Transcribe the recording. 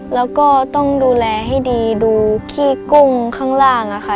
แล้วก็ต้องดูแลให้ดีดูขี้กุ้งข้างล่างอะค่ะ